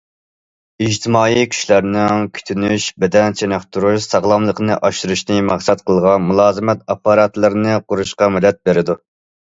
ئىجتىمائىي كۈچلەرنىڭ كۈتۈنۈش، بەدەن چېنىقتۇرۇش، ساغلاملىقنى ئاشۇرۇشنى مەقسەت قىلغان مۇلازىمەت ئاپپاراتلىرىنى قۇرۇشىغا مەدەت بېرىلىدۇ.